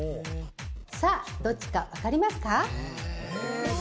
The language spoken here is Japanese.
さあ、どっちか分かりますか？